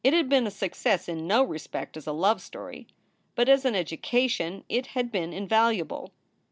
It had been a success in no respect as a love story. But as an education it had been invaluable.